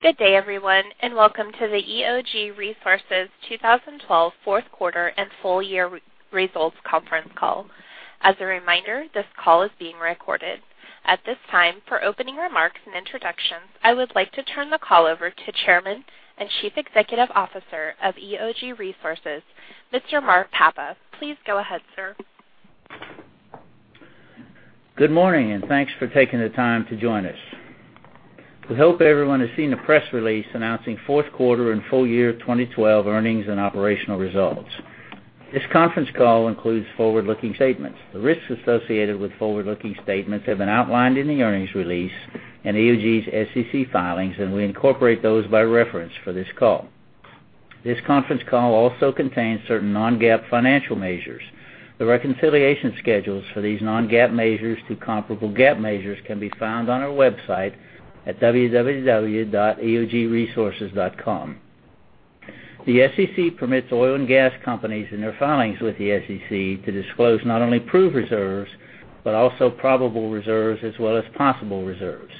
Good day, everyone, and welcome to the EOG Resources 2012 fourth quarter and full year results conference call. As a reminder, this call is being recorded. At this time, for opening remarks and introductions, I would like to turn the call over to Chairman and Chief Executive Officer of EOG Resources, Mr. Mark Papa. Please go ahead, sir. Good morning. Thanks for taking the time to join us. We hope everyone has seen the press release announcing fourth quarter and full year 2012 earnings and operational results. This conference call includes forward-looking statements. The risks associated with forward-looking statements have been outlined in the earnings release and EOG's SEC filings. We incorporate those by reference for this call. This conference call also contains certain non-GAAP financial measures. The reconciliation schedules for these non-GAAP measures to comparable GAAP measures can be found on our website at www.eogresources.com. The SEC permits oil and gas companies in their filings with the SEC to disclose not only proved reserves, but also probable reserves as well as possible reserves.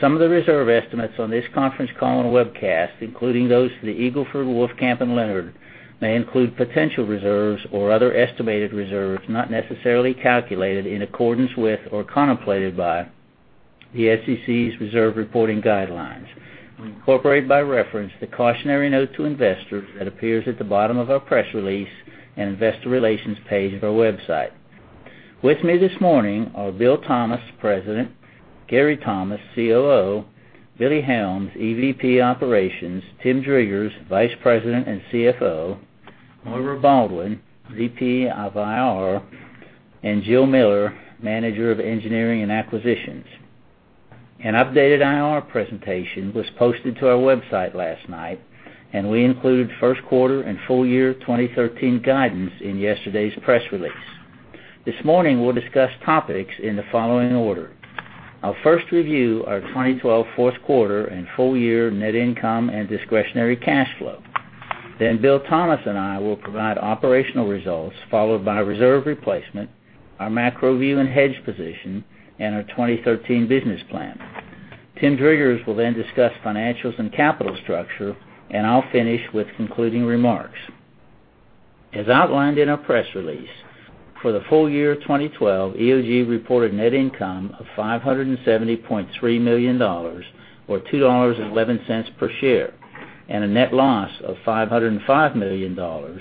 Some of the reserve estimates on this conference call and webcast, including those for the Eagle Ford, Wolfcamp, and Leonard Shale, may include potential reserves or other estimated reserves not necessarily calculated in accordance with or contemplated by the SEC's reserve reporting guidelines. We incorporate by reference the cautionary note to investors that appears at the bottom of our press release and investor relations page of our website. With me this morning are Bill Thomas, President, Gary Thomas, COO, Billy Helms, EVP Operations, Tim Driggers, Vice President and CFO, Laura Baldwin, VP of IR, and Jill Miller, Manager of Engineering and Acquisitions. An updated IR presentation was posted to our website last night. We included first quarter and full year 2013 guidance in yesterday's press release. This morning, we'll discuss topics in the following order. I'll first review our 2012 fourth quarter and full year net income and discretionary cash flow. Bill Thomas and I will provide operational results, followed by reserve replacement, our macro view and hedge position, and our 2013 business plan. Tim Driggers will then discuss financials and capital structure. I'll finish with concluding remarks. As outlined in our press release, for the full year 2012, EOG reported net income of $570.3 million, or $2.11 per share, and a net loss of $505 million, or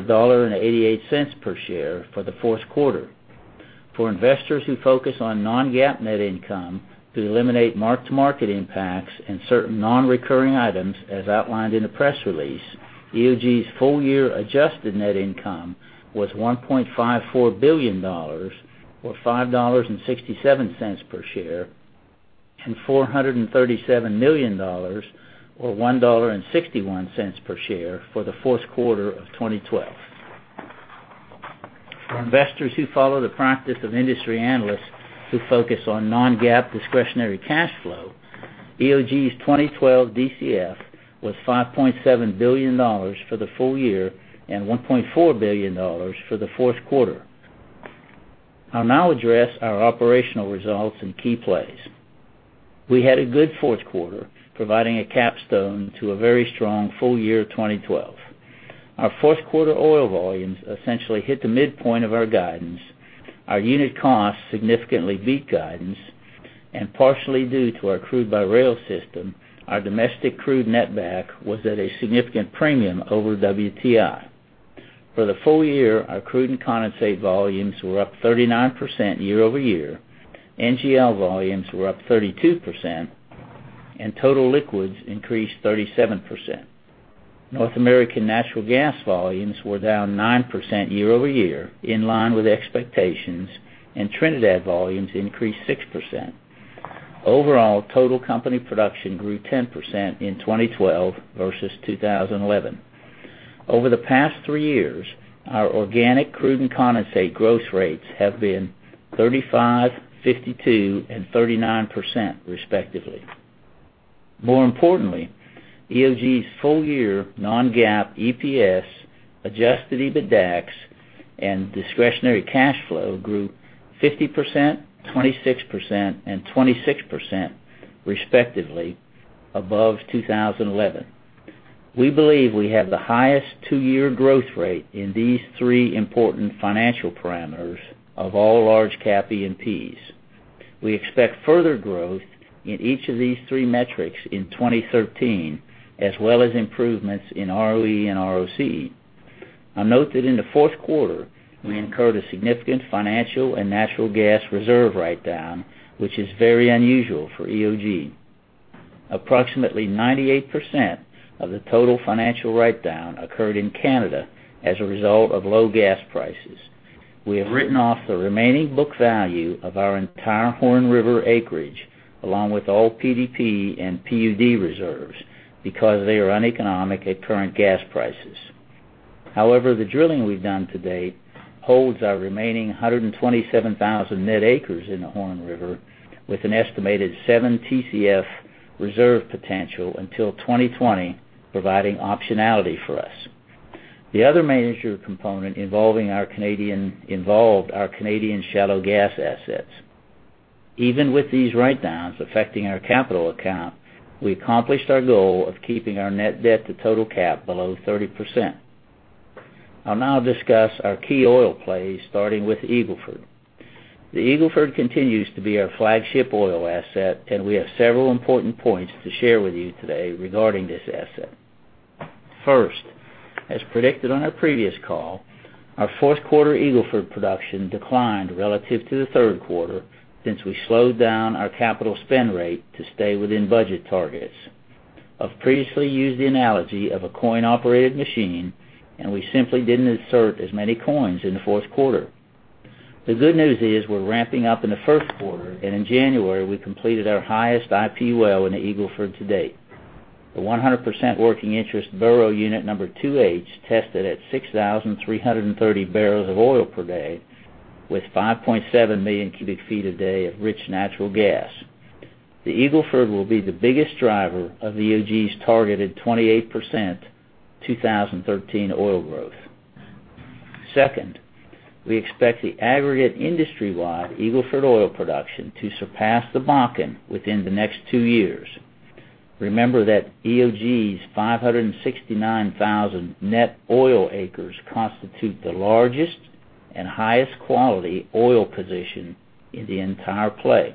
$1.88 per share, for the fourth quarter. For investors who focus on non-GAAP net income, to eliminate mark-to-market impacts and certain non-recurring items, as outlined in the press release, EOG's full-year adjusted net income was $1.54 billion, or $5.67 per share, and $437 million, or $1.61 per share, for the fourth quarter of 2012. For investors who follow the practice of industry analysts who focus on non-GAAP discretionary cash flow, EOG's 2012 DCF was $5.7 billion for the full year and $1.4 billion for the fourth quarter. I'll now address our operational results and key plays. We had a good fourth quarter, providing a capstone to a very strong full year 2012. Our fourth quarter oil volumes essentially hit the midpoint of our guidance. Our unit costs significantly beat guidance, and partially due to our crude-by-rail system, our domestic crude net back was at a significant premium over WTI. For the full year, our crude and condensate volumes were up 39% year-over-year, NGL volumes were up 32%, and total liquids increased 37%. North American natural gas volumes were down 9% year-over-year, in line with expectations, and Trinidad volumes increased 6%. Overall, total company production grew 10% in 2012 versus 2011. Over the past three years, our organic crude and condensate growth rates have been 35%, 52%, and 39%, respectively. More importantly, EOG's full-year non-GAAP EPS, adjusted EBITDAX, and discretionary cash flow grew 50%, 26%, and 26%, respectively, above 2011. We believe we have the highest two-year growth rate in these three important financial parameters of all large cap E&Ps. We expect further growth in each of these three metrics in 2013, as well as improvements in ROE and ROC. I'll note that in the fourth quarter, we incurred a significant financial and natural gas reserve write-down, which is very unusual for EOG. Approximately 98% of the total financial write-down occurred in Canada as a result of low gas prices. We have written off the remaining book value of our entire Horn River acreage, along with all PDP and PUD reserves, because they are uneconomic at current gas prices. The drilling we've done to date holds our remaining 127,000 net acres in the Horn River with an estimated seven TCF reserve potential until 2020, providing optionality for us. The other main issue component involved our Canadian shallow gas assets. Even with these write-downs affecting our capital account, we accomplished our goal of keeping our net debt to total cap below 30%. I'll now discuss our key oil plays, starting with Eagle Ford. The Eagle Ford continues to be our flagship oil asset, and we have several important points to share with you today regarding this asset. First, as predicted on our previous call, our fourth quarter Eagle Ford production declined relative to the third quarter since we slowed down our capital spend rate to stay within budget targets. I've previously used the analogy of a coin-operated machine, we simply didn't insert as many coins in the fourth quarter. The good news is we're ramping up in the first quarter, in January, we completed our highest IP well in the Eagle Ford to date. The 100% working interest Burrow Unit #2H tested at 6,330 BOPD with 5.7 million cubic feet a day of rich natural gas. The Eagle Ford will be the biggest driver of EOG's targeted 28% 2013 oil growth. Second, we expect the aggregate industry-wide Eagle Ford oil production to surpass the Bakken within the next two years. Remember that EOG's 569,000 net oil acres constitute the largest and highest quality oil position in the entire play.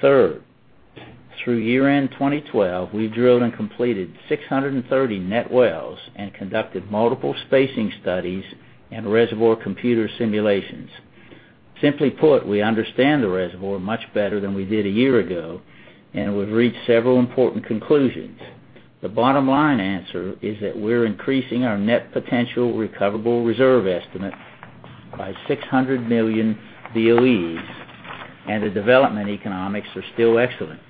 Third, through year-end 2012, we drilled and completed 630 net wells and conducted multiple spacing studies and reservoir computer simulations. Simply put, we understand the reservoir much better than we did a year ago, and we've reached several important conclusions. The bottom line answer is that we're increasing our net potential recoverable reserve estimate by 600 million BOEs, and the development economics are still excellent.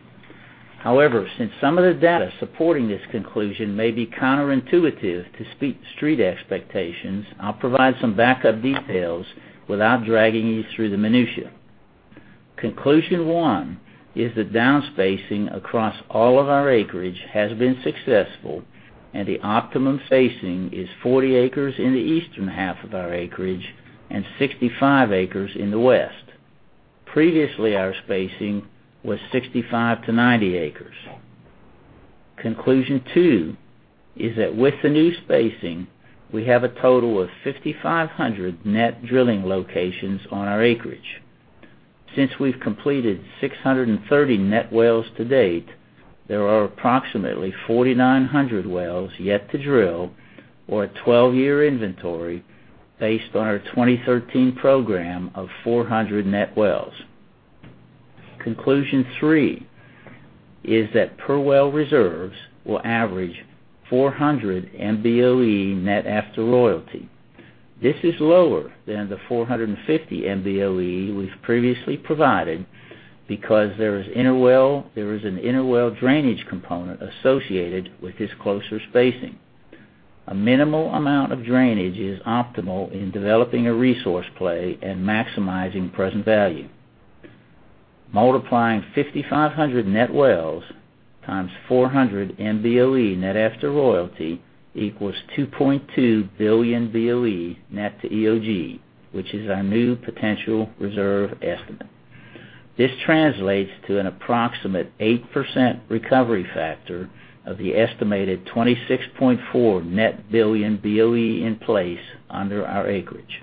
However, since some of the data supporting this conclusion may be counterintuitive to Street expectations, I'll provide some backup details without dragging you through the minutia. Conclusion one is that down-spacing across all of our acreage has been successful, and the optimum spacing is 40 acres in the eastern half of our acreage and 65 acres in the west. Previously, our spacing was 65-90 acres. Conclusion two is that with the new spacing, we have a total of 5,500 net drilling locations on our acreage. We've completed 630 net wells to date, there are approximately 4,900 wells yet to drill or a 12-year inventory based on our 2013 program of 400 net wells. Conclusion three is that per well reserves will average 400 MBOE net after royalty. This is lower than the 450 MBOE we've previously provided because there is an interwell drainage component associated with this closer spacing. A minimal amount of drainage is optimal in developing a resource play and maximizing present value. Multiplying 5,500 net wells times 400 MBOE net after royalty equals 2.2 billion BOE net to EOG, which is our new potential reserve estimate. This translates to an approximate 8% recovery factor of the estimated 26.4 net billion BOE in place under our acreage.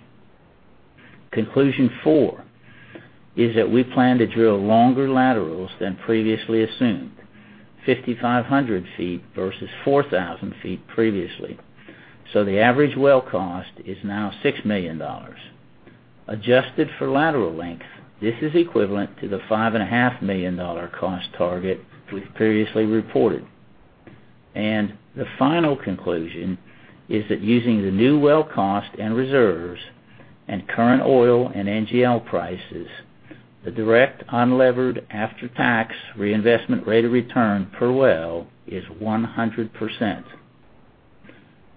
Conclusion four is that we plan to drill longer laterals than previously assumed, 5,500 feet versus 4,000 feet previously. The average well cost is now $6 million. Adjusted for lateral length, this is equivalent to the $5.5 million cost target we've previously reported. The final conclusion is that using the new well cost and reserves and current oil and NGL prices, the direct unlevered after-tax reinvestment rate of return per well is 100%.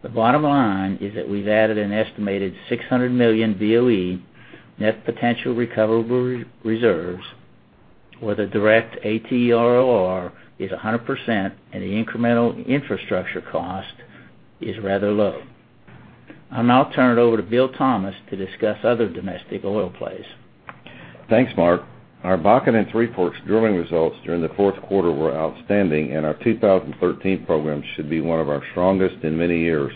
The bottom line is that we've added an estimated 600 million BOE net potential recoverable reserves where the direct ATROR is 100% and the incremental infrastructure cost is rather low. I'll now turn it over to Bill Thomas to discuss other domestic oil plays. Thanks, Mark. Our Bakken and Three Forks drilling results during the fourth quarter were outstanding, and our 2013 program should be one of our strongest in many years.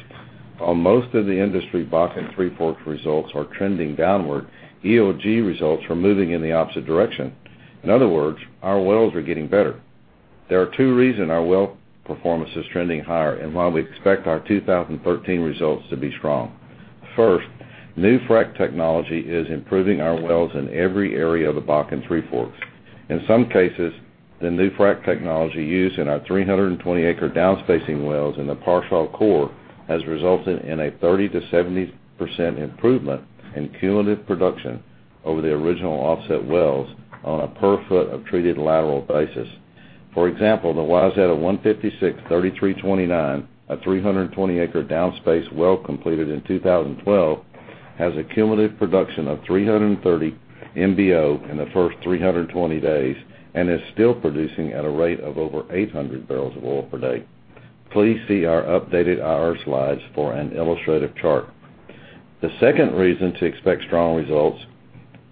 On most of the industry, Bakken and Three Forks results are trending downward. EOG results are moving in the opposite direction. In other words, our wells are getting better. There are two reasons our well performance is trending higher and why we expect our 2013 results to be strong. First, new frack technology is improving our wells in every area of the Bakken Three Forks. In some cases, the new frack technology used in our 320-acre downspacing wells in the Parshall core has resulted in a 30%-70% improvement in cumulative production over the original offset wells on a per foot of treated lateral basis. For example, the Wayzetta 156-3329, a 320-acre downspace well completed in 2012. It has a cumulative production of 330 MBO in the first 320 days and is still producing at a rate of over 800 barrels of oil per day. Please see our updated IR slides for an illustrative chart. The second reason to expect strong results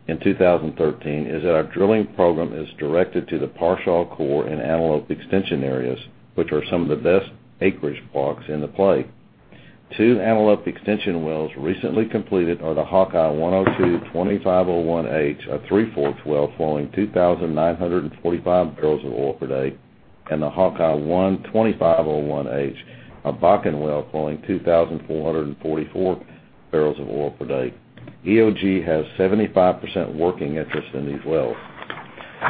in 2013 is that our drilling program is directed to the Parshall core and Antelope extension areas, which are some of the best acreage blocks in the play. Two Antelope extension wells recently completed are the Hawkeye 102-2501H, a Three Forks well flowing 2,945 barrels of oil per day, and the Hawkeye 01-2501H, a Bakken well flowing 2,444 barrels of oil per day. EOG has 75% working interest in these wells.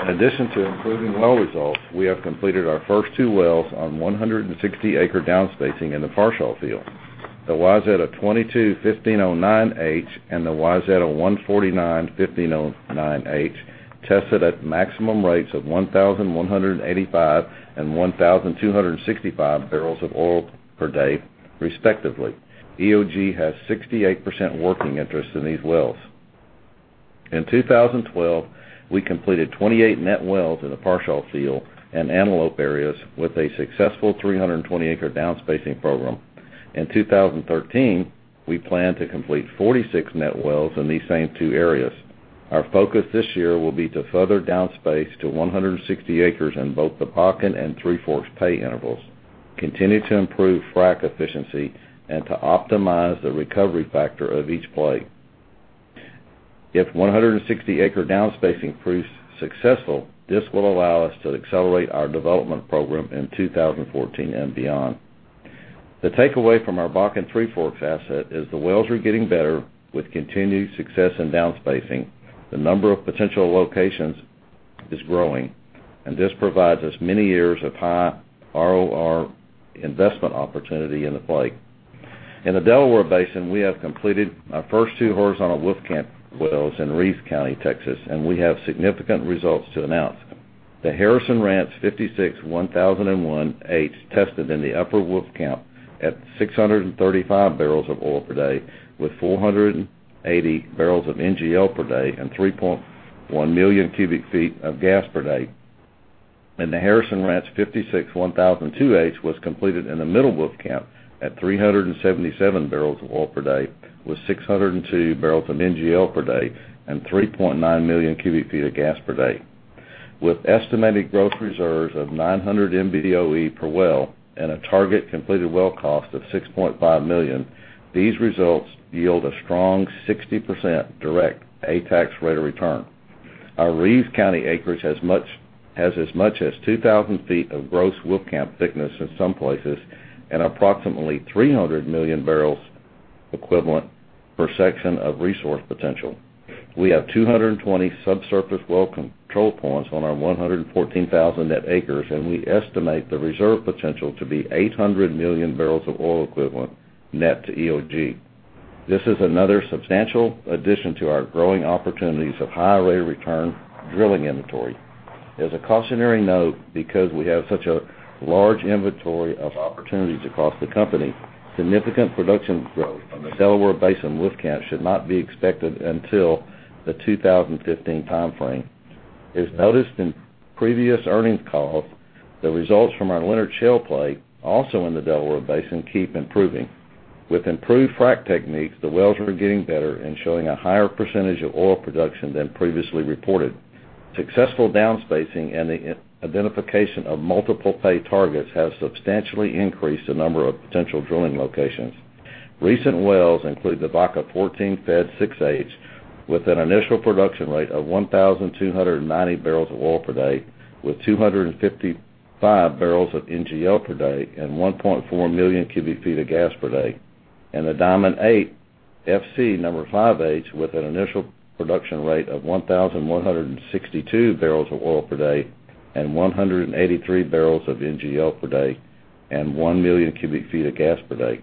In addition to improving well results, we have completed our first two wells on 160-acre downspacing in the Parshall field. The Wayzetta 22-1509H and the Wayzetta 149-1509H tested at maximum rates of 1,185 and 1,265 barrels of oil per day, respectively. EOG has 68% working interest in these wells. In 2012, we completed 28 net wells in the Parshall field and Antelope areas with a successful 320-acre downspacing program. In 2013, we plan to complete 46 net wells in these same two areas. Our focus this year will be to further downspace to 160 acres in both the Bakken and Three Forks pay intervals, continue to improve frack efficiency, and to optimize the recovery factor of each play. If 160-acre downspacing proves successful, this will allow us to accelerate our development program in 2014 and beyond. The takeaway from our Bakken Three Forks asset is the wells are getting better with continued success in downspacing. The number of potential locations is growing, this provides us many years of high ROR investment opportunity in the play. In the Delaware Basin, we have completed our first two horizontal Wolfcamp wells in Reeves County, Texas, and we have significant results to announce. The Harrison Ranch 561001H tested in the upper Wolfcamp at 635 barrels of oil per day, with 480 barrels of NGL per day and 3.1 million cubic feet of gas per day. The Harrison Ranch 561002H was completed in the middle Wolfcamp at 377 barrels of oil per day, with 602 barrels of NGL per day and 3.9 million cubic feet of gas per day. With estimated gross reserves of 900 MBOE per well and a target completed well cost of $6.5 million, these results yield a strong 60% direct ATROR rate of return. Our Reeves County acreage has as much as 2,000 feet of gross Wolfcamp thickness in some places and approximately 300 million barrels equivalent per section of resource potential. We have 220 subsurface well control points on our 114,000 net acres. We estimate the reserve potential to be 800 million barrels of oil equivalent, net to EOG. This is another substantial addition to our growing opportunities of high-rate return drilling inventory. As a cautionary note, because we have such a large inventory of opportunities across the company, significant production growth from the Delaware Basin Wolfcamp should not be expected until the 2015 timeframe. As noticed in previous earnings calls, the results from our Leonard Shale play, also in the Delaware Basin, keep improving. With improved frack techniques, the wells are getting better and showing a higher percentage of oil production than previously reported. Successful downspacing and the identification of multiple pay targets has substantially increased the number of potential drilling locations. Recent wells include the Baca 14 Fed #6H, with an initial production rate of 1,290 barrels of oil per day, with 255 barrels of NGL per day and 1.4 million cubic feet of gas per day. The Diamond 8 Federal Com 5H, with an initial production rate of 1,162 barrels of oil per day and 183 barrels of NGL per day and 1 million cubic feet of gas per day.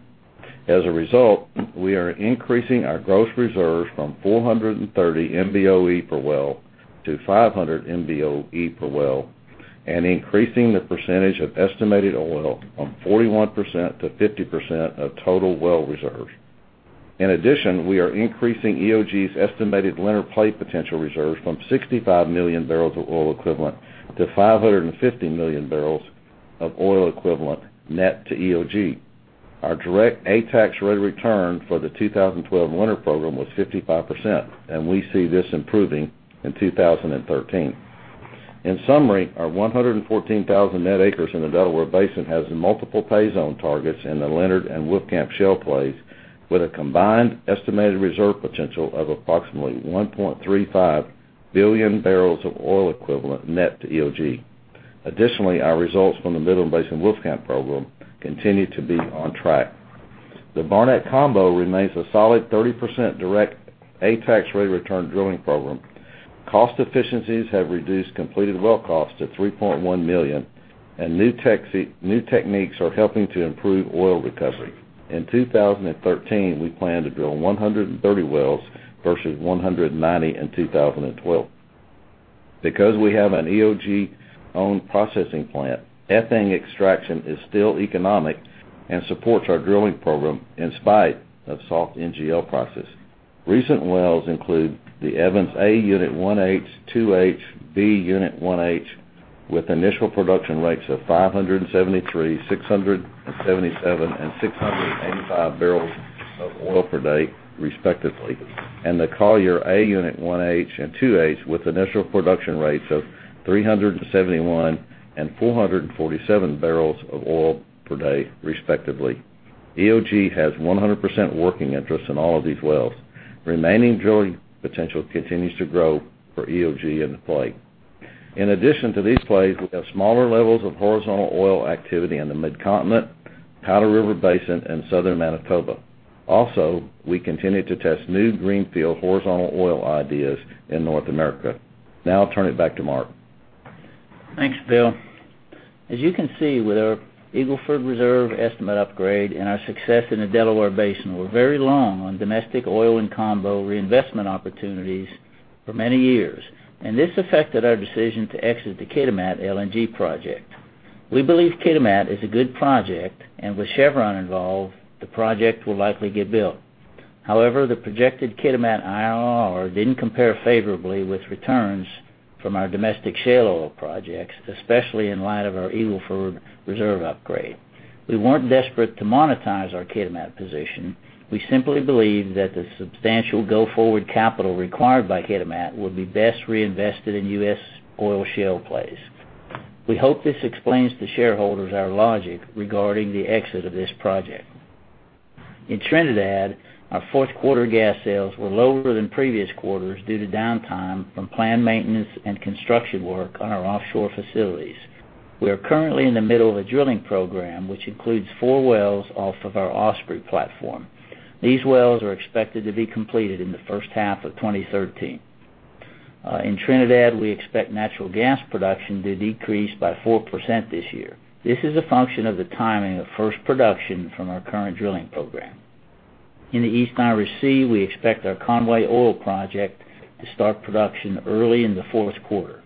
As a result, we are increasing our gross reserves from 430 MBOE per well to 500 MBOE per well and increasing the percentage of estimated oil from 41% to 50% of total well reserves. In addition, we are increasing EOG's estimated Leonard play potential reserves from $65 million barrels of oil equivalent to $550 million barrels of oil equivalent, net to EOG. Our direct ATROR for the 2012 Leonard program was 55%, and we see this improving in 2013. In summary, our 114,000 net acres in the Delaware Basin has multiple pay zone targets in the Leonard and Wolfcamp shale plays, with a combined estimated reserve potential of approximately $1.35 billion barrels of oil equivalent, net to EOG. Additionally, our results from the Midland Basin Wolfcamp program continue to be on track. The Barnett Combo remains a solid 30% direct ATROR drilling program. Cost efficiencies have reduced completed well costs to $3.1 million, and new techniques are helping to improve oil recovery. In 2013, we plan to drill 130 wells versus 190 in 2012. Because we have an EOG-owned processing plant, ethane extraction is still economic and supports our drilling program in spite of soft NGL prices. Recent wells include the Evans A Unit 1H, 2H, B Unit 1H, with initial production rates of 573, 677 and 685 barrels of oil per day, respectively, and the Collier A Unit 1H and 2H, with initial production rates of 371 and 447 barrels of oil per day, respectively. EOG has 100% working interest in all of these wells. Remaining drilling potential continues to grow for EOG in the play. In addition to these plays, we have smaller levels of horizontal oil activity in the Midcontinent, Powder River Basin, and southern Manitoba. Also, we continue to test new greenfield horizontal oil ideas in North America. Now I will turn it back to Mark. Thanks, Bill. As you can see, with our Eagle Ford reserve estimate upgrade and our success in the Delaware Basin, we are very long on domestic oil and combo reinvestment opportunities for many years. This affected our decision to exit the Kitimat LNG project. We believe Kitimat is a good project, and with Chevron involved, the project will likely get built. However, the projected Kitimat IRR did not compare favorably with returns from our domestic shale oil projects, especially in light of our Eagle Ford reserve upgrade. We were not desperate to monetize our Kitimat position. We simply believe that the substantial go-forward capital required by Kitimat would be best reinvested in U.S. oil shale plays. We hope this explains to shareholders our logic regarding the exit of this project. In Trinidad, our fourth quarter gas sales were lower than previous quarters due to downtime from planned maintenance and construction work on our offshore facilities. We are currently in the middle of a drilling program, which includes four wells off of our Osprey platform. These wells are expected to be completed in the first half of 2013. In Trinidad, we expect natural gas production to decrease by 4% this year. This is a function of the timing of first production from our current drilling program. In the East Irish Sea, we expect our Conway oil project to start production early in the fourth quarter.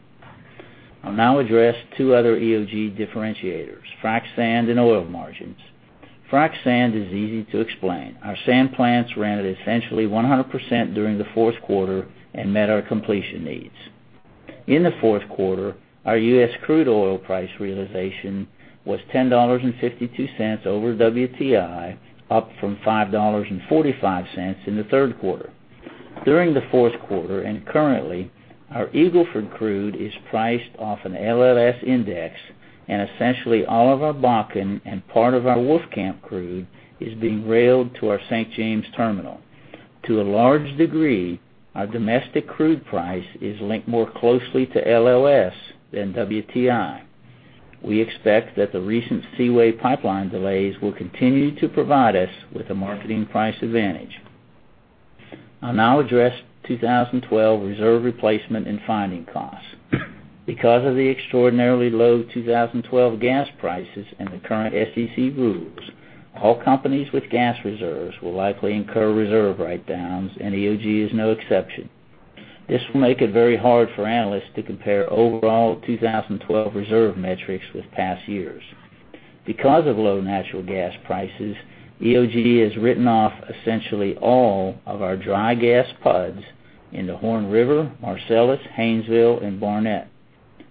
I'll now address two other EOG differentiators, frac sand and oil margins. Frac sand is easy to explain. Our sand plants ran at essentially 100% during the fourth quarter and met our completion needs. In the fourth quarter, our U.S. crude oil price realization was $10.52 over WTI, up from $5.45 in the third quarter. During the fourth quarter and currently, our Eagle Ford crude is priced off an LLS index, and essentially all of our Bakken and part of our Wolfcamp crude is being railed to our St. James terminal. To a large degree, our domestic crude price is linked more closely to LLS than WTI. We expect that the recent Seaway Pipeline delays will continue to provide us with a marketing price advantage. I'll now address 2012 reserve replacement and finding costs. Because of the extraordinarily low 2012 gas prices and the current SEC rules, all companies with gas reserves will likely incur reserve write-downs, and EOG is no exception. This will make it very hard for analysts to compare overall 2012 reserve metrics with past years. Because of low natural gas prices, EOG has written off essentially all of our dry gas pods in the Horn River, Marcellus, Haynesville, and Barnett.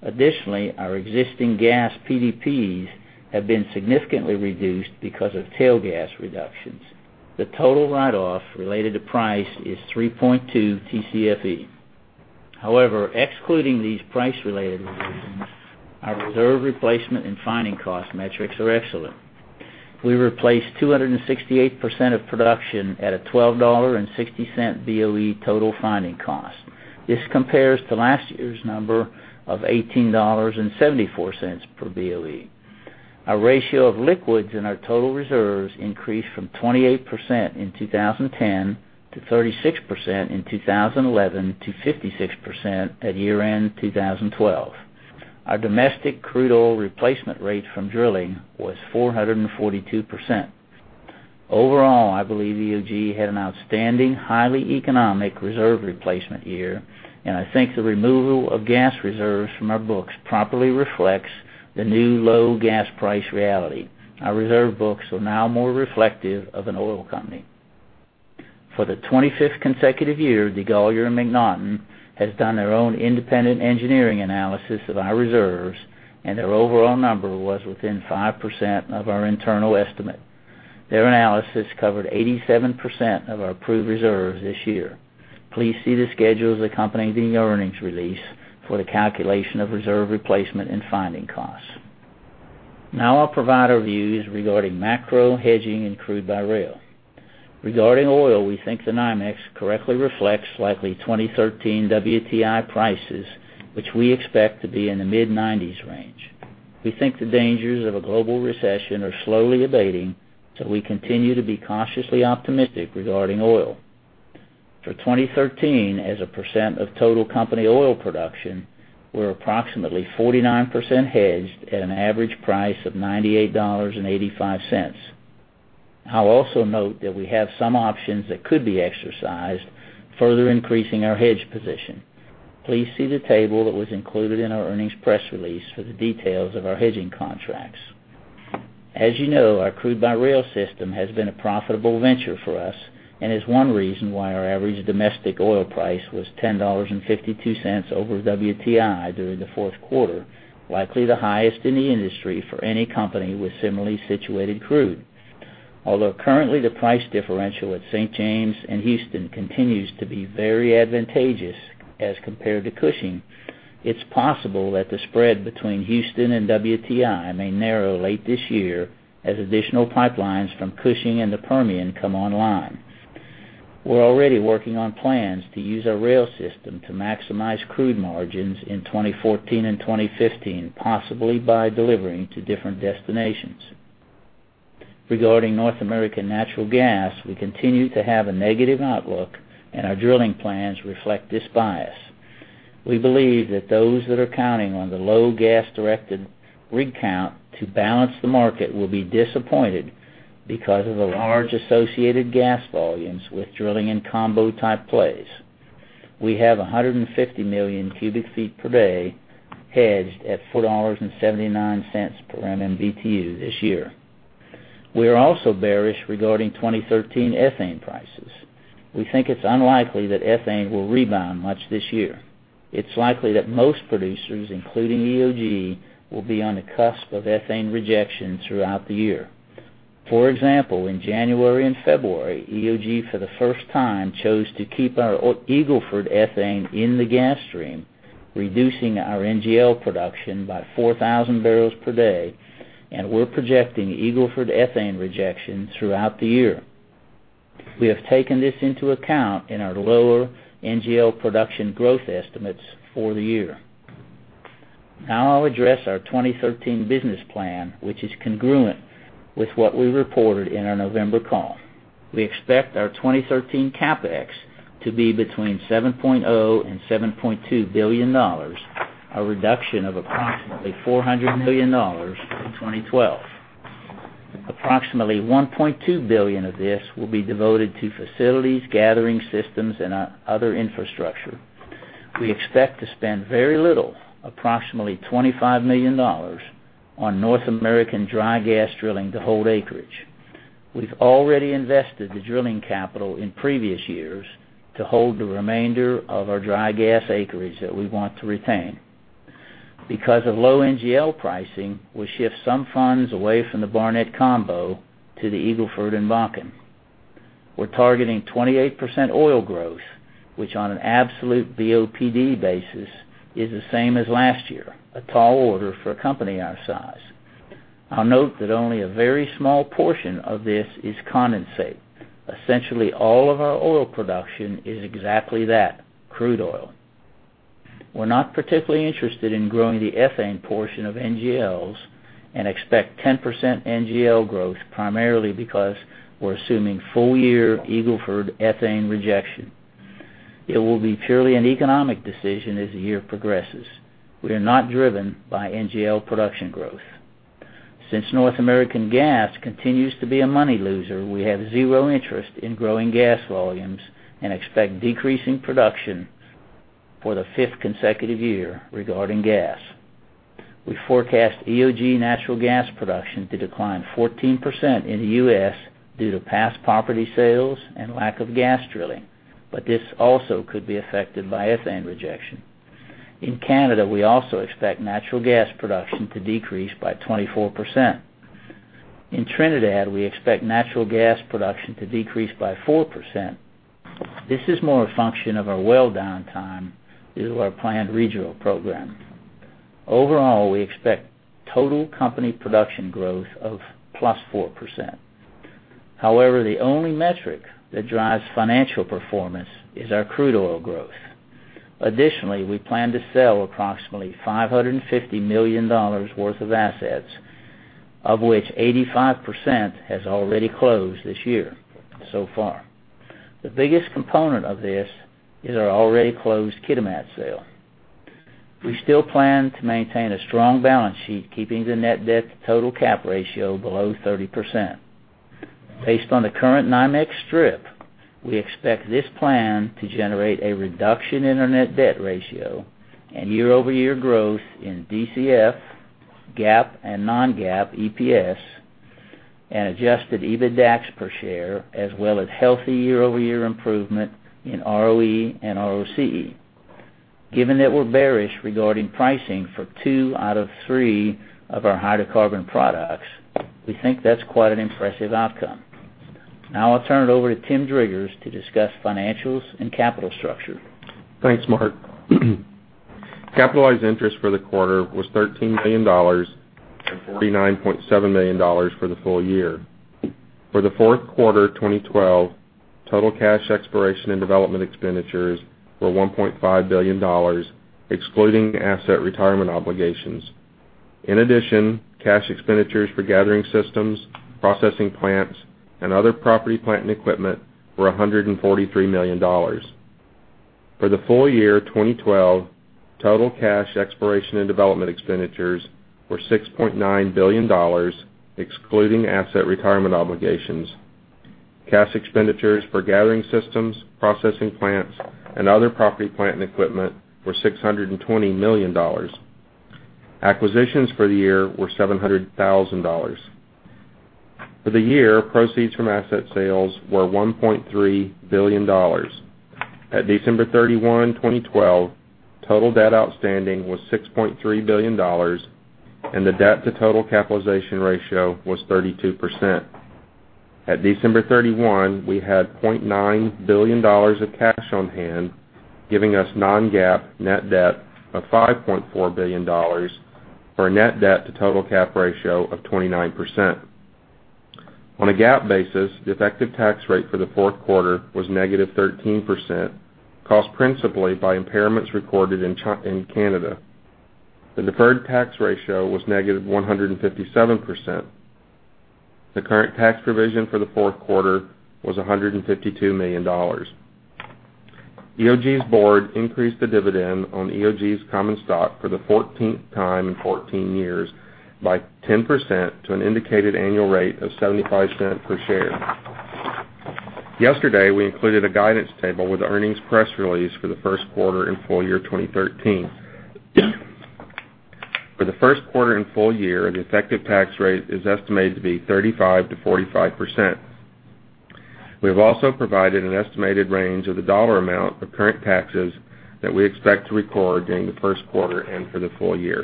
Additionally, our existing gas PDPs have been significantly reduced because of tail gas reductions. The total write-off related to price is 3.2 TCFE. However, excluding these price-related reductions, our reserve replacement and finding cost metrics are excellent. We replaced 268% of production at a $12.60 BOE total finding cost. This compares to last year's number of $18.74 per BOE. Our ratio of liquids in our total reserves increased from 28% in 2010, to 36% in 2011, to 56% at year-end 2012. Our domestic crude oil replacement rate from drilling was 442%. Overall, I believe EOG had an outstanding, highly economic reserve replacement year, and I think the removal of gas reserves from our books properly reflects the new low gas price reality. Our reserve books are now more reflective of an oil company. For the 25th consecutive year, DeGolyer and MacNaughton has done their own independent engineering analysis of our reserves, and their overall number was within 5% of our internal estimate. Their analysis covered 87% of our approved reserves this year. Please see the schedules accompanying the earnings release for the calculation of reserve replacement and finding costs. Now I'll provide our views regarding macro hedging and crude by rail. Regarding oil, we think the NYMEX correctly reflects likely 2013 WTI prices, which we expect to be in the mid-90s range. We think the dangers of a global recession are slowly abating. We continue to be cautiously optimistic regarding oil. For 2013, as a percent of total company oil production, we're approximately 49% hedged at an average price of $98.85. I'll also note that we have some options that could be exercised, further increasing our hedge position. Please see the table that was included in our earnings press release for the details of our hedging contracts. As you know, our crude-by-rail system has been a profitable venture for us and is one reason why our average domestic oil price was $10.52 over WTI during the fourth quarter, likely the highest in the industry for any company with similarly situated crude. Although currently the price differential at St. James and Houston continues to be very advantageous as compared to Cushing, it's possible that the spread between Houston and WTI may narrow late this year as additional pipelines from Cushing and the Permian come online. We're already working on plans to use our rail system to maximize crude margins in 2014 and 2015, possibly by delivering to different destinations. Regarding North American natural gas, we continue to have a negative outlook. Our drilling plans reflect this bias. We believe that those that are counting on the low gas-directed rig count to balance the market will be disappointed because of the large associated gas volumes with drilling in combo-type plays. We have 150 million cubic feet per day hedged at $4.79 per MMBtu this year. We are also bearish regarding 2013 ethane prices. We think it's unlikely that ethane will rebound much this year. It's likely that most producers, including EOG, will be on the cusp of ethane rejection throughout the year. For example, in January and February, EOG, for the first time, chose to keep our Eagle Ford ethane in the gas stream, reducing our NGL production by 4,000 barrels per day. We're projecting Eagle Ford ethane rejection throughout the year. We have taken this into account in our lower NGL production growth estimates for the year. Now I'll address our 2013 business plan, which is congruent with what we reported in our November call. We expect our 2013 CapEx to be between $7.0 and $7.2 billion, a reduction of approximately $400 million in 2012. Approximately $1.2 billion of this will be devoted to facilities, gathering systems, and other infrastructure. We expect to spend very little, approximately $25 million, on North American dry gas drilling to hold acreage. We've already invested the drilling capital in previous years to hold the remainder of our dry gas acreage that we want to retain. Because of low NGL pricing, we'll shift some funds away from the Barnett combo to the Eagle Ford and Bakken. We're targeting 28% oil growth, which, on an absolute BOPD basis, is the same as last year, a tall order for a company our size. I'll note that only a very small portion of this is condensate. Essentially all of our oil production is exactly that, crude oil. We're not particularly interested in growing the ethane portion of NGLs and expect 10% NGL growth primarily because we're assuming full-year Eagle Ford ethane rejection. It will be purely an economic decision as the year progresses. We are not driven by NGL production growth. Since North American Gas continues to be a money loser, we have zero interest in growing gas volumes and expect decreasing production for the fifth consecutive year regarding gas. We forecast EOG natural gas production to decline 14% in the U.S. due to past property sales and lack of gas drilling, but this also could be affected by ethane rejection. In Canada, we also expect natural gas production to decrease by 24%. In Trinidad, we expect natural gas production to decrease by 4%. This is more a function of our well downtime due to our planned regional program. Overall, we expect total company production growth of +4%. However, the only metric that drives financial performance is our crude oil growth. Additionally, we plan to sell approximately $550 million worth of assets, of which 85% has already closed this year so far. The biggest component of this is our already closed Kitimat sale. We still plan to maintain a strong balance sheet, keeping the net debt to total cap ratio below 30%. Based on the current NYMEX strip, we expect this plan to generate a reduction in our net debt ratio and year-over-year growth in DCF, GAAP and non-GAAP EPS, and adjusted EBITDA per share, as well as healthy year-over-year improvement in ROE and ROCE. Given that we're bearish regarding pricing for two out of three of our hydrocarbon products, we think that's quite an impressive outcome. I'll turn it over to Tim Driggers to discuss financials and capital structure. Thanks, Mark. Capitalized interest for the quarter was $13 million and $49.7 million for the full year. For the fourth quarter 2012, total cash exploration and development expenditures were $1.5 billion, excluding asset retirement obligations. In addition, cash expenditures for gathering systems, processing plants, and other property, plant, and equipment were $143 million. For the full year 2012, total cash exploration and development expenditures were $6.9 billion, excluding asset retirement obligations. Cash expenditures for gathering systems, processing plants, and other property, plant, and equipment were $620 million. Acquisitions for the year were $700,000. For the year, proceeds from asset sales were $1.3 billion. At December 31, 2012, total debt outstanding was $6.3 billion, and the debt to total capitalization ratio was 32%. At December 31, we had $0.9 billion of cash on hand, giving us non-GAAP net debt of $5.4 billion, or a net debt to total cap ratio of 29%. On a GAAP basis, the effective tax rate for the fourth quarter was -13%, caused principally by impairments recorded in Canada. The deferred tax ratio was -157%. The current tax provision for the fourth quarter was $152 million. EOG's board increased the dividend on EOG's common stock for the 14th time in 14 years by 10% to an indicated annual rate of $0.75 per share. Yesterday, we included a guidance table with the earnings press release for the first quarter and full year 2013. For the first quarter and full year, the effective tax rate is estimated to be 35%-45%. We have also provided an estimated range of the dollar amount of current taxes that we expect to record during the first quarter and for the full year.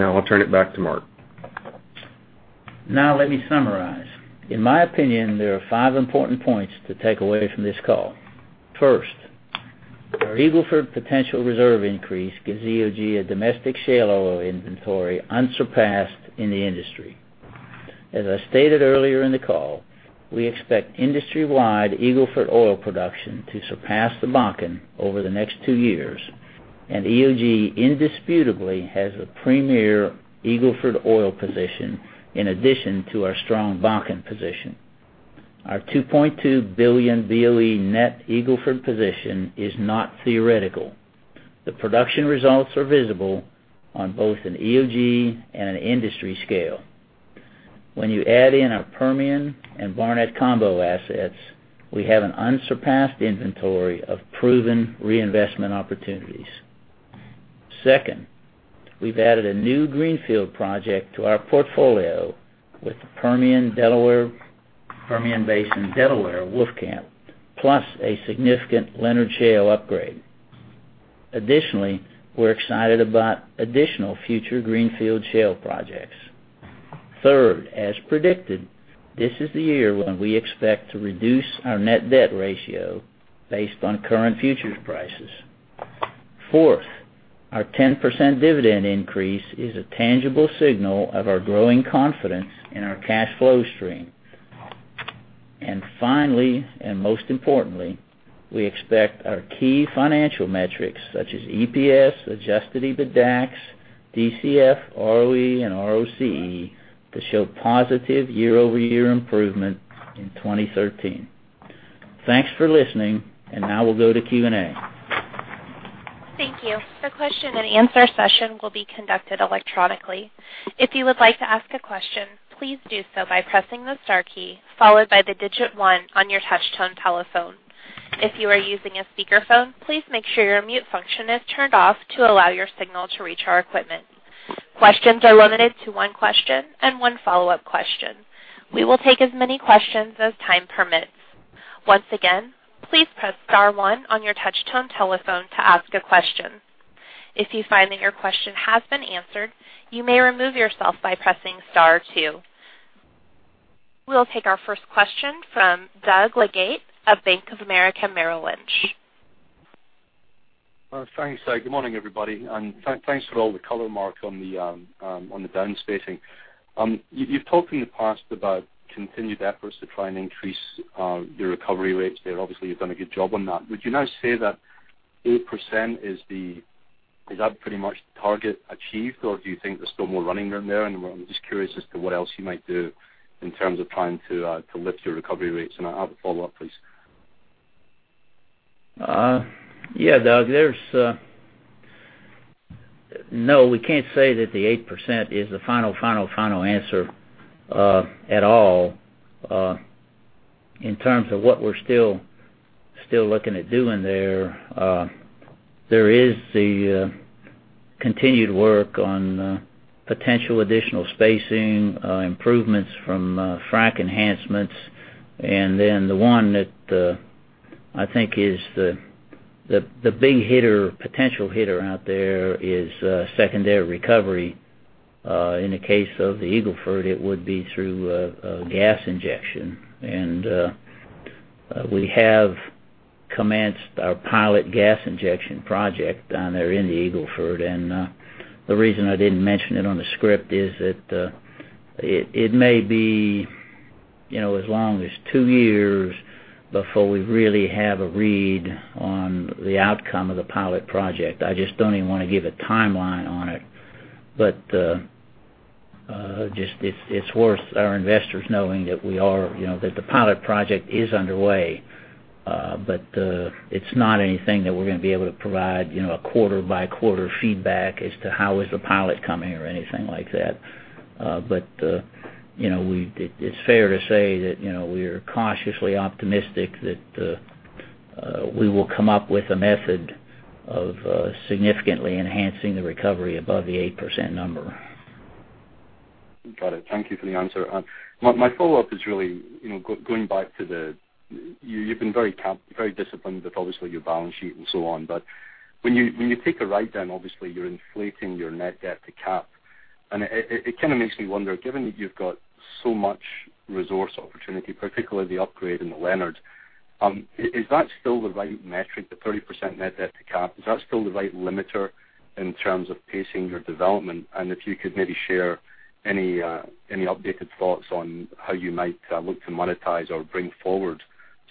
I'll turn it back to Mark. Let me summarize. In my opinion, there are five important points to take away from this call. Our Eagle Ford potential reserves increase gives EOG a domestic shale oil inventory unsurpassed in the industry. As I stated earlier in the call, we expect industry-wide Eagle Ford oil production to surpass the Bakken over the next two years, and EOG indisputably has a premier Eagle Ford oil position in addition to our strong Bakken position. Our 2.2 billion BOE net Eagle Ford position is not theoretical. The production results are visible on both an EOG and an industry scale. When you add in our Permian and Barnett combo assets, we have an unsurpassed inventory of proven reinvestment opportunities. We've added a new greenfield project to our portfolio with the Permian Basin Delaware Wolfcamp, plus a significant Leonard Shale upgrade. We're excited about additional future greenfield shale projects. As predicted, this is the year when we expect to reduce our net debt ratio based on current futures prices. Our 10% dividend increase is a tangible signal of our growing confidence in our cash flow stream. Finally, and most importantly, we expect our key financial metrics such as EPS, adjusted EBITDAX, DCF, ROE, and ROCE to show positive year-over-year improvement in 2013. Thanks for listening, we'll go to Q&A. Thank you. The question and answer session will be conducted electronically. If you would like to ask a question, please do so by pressing the star key, followed by the digit 1 on your touch-tone telephone. If you are using a speakerphone, please make sure your mute function is turned off to allow your signal to reach our equipment. Questions are limited to one question and one follow-up question. We will take as many questions as time permits. Once again, please press star one on your touch-tone telephone to ask a question. If you find that your question has been answered, you may remove yourself by pressing star two. We'll take our first question from Douglas Leggate of Bank of America Merrill Lynch. Thanks. Good morning, everybody. Thanks for all the color, Mark, on the down spacing. You've talked in the past about continued efforts to try and increase your recovery rates there. Obviously, you've done a good job on that. Would you now say that 8%, is that pretty much the target achieved, or do you think there's still more running room there? I'm just curious as to what else you might do in terms of trying to lift your recovery rates. I have a follow-up, please. Yeah, Doug. No, we can't say that the 8% is the final answer at all. In terms of what we're still looking at doing there is the continued work on potential additional spacing, improvements from frac enhancements, and then the one that I think is the big potential hitter out there is secondary recovery. In the case of the Eagle Ford, it would be through gas injection. We have commenced our pilot gas injection project down there in the Eagle Ford. The reason I didn't mention it on the script is that it may be as long as two years before we really have a read on the outcome of the pilot project. I just don't even want to give a timeline on it. Just it's worth our investors knowing that the pilot project is underway. It's not anything that we're going to be able to provide a quarter-by-quarter feedback as to how is the pilot coming or anything like that. It's fair to say that we're cautiously optimistic that we will come up with a method of significantly enhancing the recovery above the 8% number. Got it. Thank you for the answer. My follow-up is really going back to, you've been very disciplined with obviously your balance sheet and so on, but when you take a writedown, obviously you're inflating your net debt to cap. It kind of makes me wonder, given that you've got so much resource opportunity, particularly the upgrade in the Leonard, is that still the right metric, the 30% net debt to cap? Is that still the right limiter in terms of pacing your development? If you could maybe share any updated thoughts on how you might look to monetize or bring forward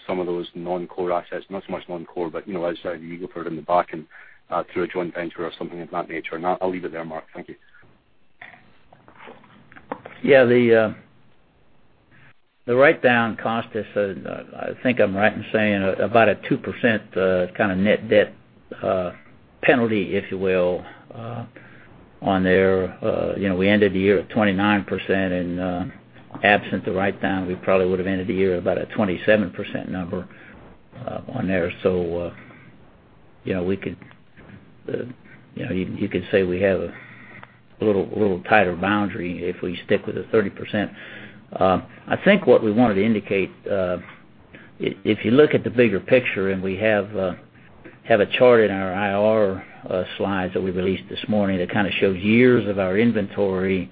some of those non-core assets. Not so much non-core, but outside the Eagle Ford in the Bakken through a joint venture or something of that nature. I'll leave it there, Mark. Thank you. Yeah. The writedown cost us, I think I'm right in saying, about a 2% kind of net debt penalty, if you will, on there. We ended the year at 29%, and absent the writedown, we probably would have ended the year at about a 27% number on there. You could say we have a little tighter boundary if we stick with the 30%. I think what we wanted to indicate, if you look at the bigger picture, and we have a chart in our IR slides that we released this morning that kind of shows years of our inventory.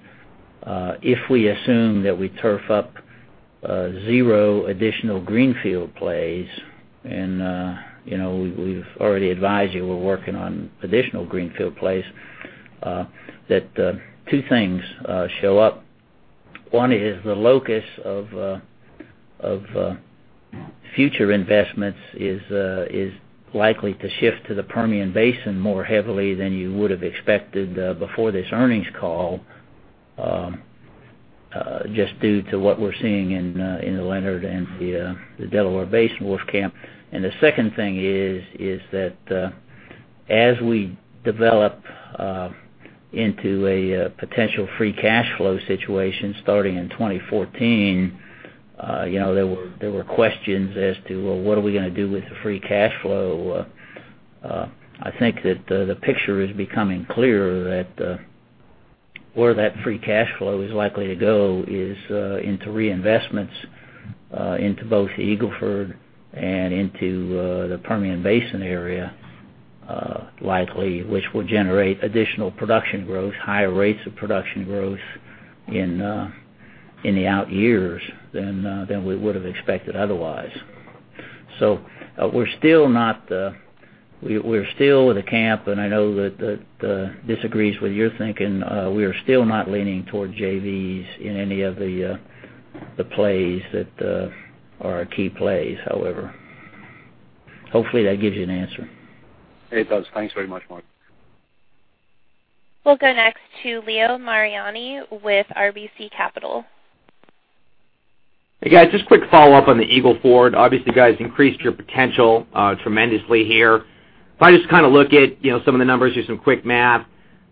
If we assume that we turf up zero additional greenfield plays, and we've already advised you we're working on additional greenfield plays, that two things show up. One is the locus of future investments is likely to shift to the Permian Basin more heavily than you would have expected before this earnings call, just due to what we're seeing in the Leonard and the Delaware Basin Wolfcamp. The second thing is that as we develop into a potential free cash flow situation starting in 2014, there were questions as to, well, what are we going to do with the free cash flow? I think that the picture is becoming clearer that where that free cash flow is likely to go is into reinvestments into both the Eagle Ford and into the Permian Basin area likely, which will generate additional production growth, higher rates of production growth in the out years than we would have expected otherwise. We're still with the camp, and I know that this agrees with your thinking. We are still not leaning towards JVs in any of the plays that are our key plays, however. Hopefully, that gives you an answer. It does. Thanks very much, Mark. We'll go next to Leo Mariani with RBC Capital. Hey, guys, just a quick follow-up on the Eagle Ford. Obviously, you guys increased your potential tremendously here. If I just look at some of the numbers, just some quick math,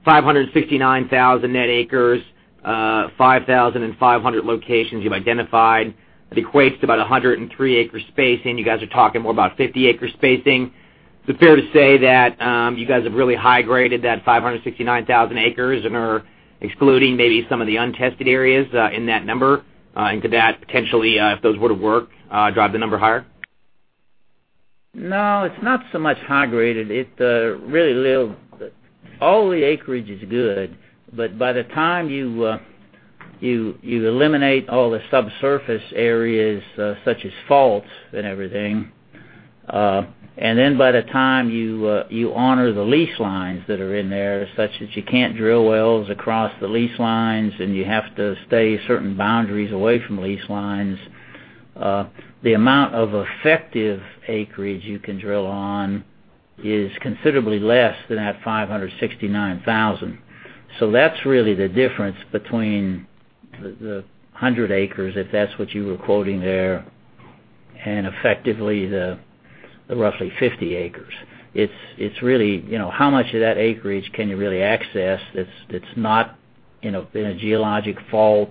569,000 net acres, 5,500 locations you've identified. That equates to about 103-acre spacing. You guys are talking more about 50-acre spacing. Is it fair to say that you guys have really high-graded that 569,000 acres and are excluding maybe some of the untested areas in that number? Could that potentially, if those were to work, drive the number higher? No, it's not so much high-graded. All the acreage is good, but by the time you eliminate all the subsurface areas, such as faults and everything, then by the time you honor the lease lines that are in there, such as you can't drill wells across the lease lines, and you have to stay certain boundaries away from lease lines, the amount of effective acreage you can drill on is considerably less than that 569,000. That's really the difference between the 100 acres, if that's what you were quoting there, and effectively the roughly 50 acres. It's really how much of that acreage can you really access that's not in a geologic fault